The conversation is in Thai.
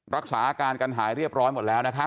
รักษาอาการกันหายเรียบร้อยหมดแล้วนะครับ